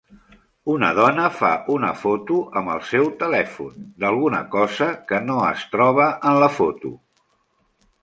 Una dona fa una foto amb el seu telèfon, d'alguna cosa que no es troba en la foto.